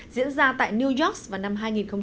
diễn ra tại new york vào năm hai nghìn một mươi năm